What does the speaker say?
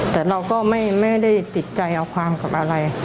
แต่เราก็ไม่ได้ติดใจเอาความกับอะไร